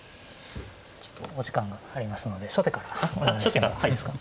ちょっとお時間がありますので初手からお願いしてもいいですか。